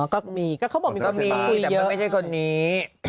แต่ไม่ใช่คนนี้